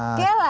oke lah ya